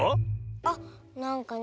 あっなんかね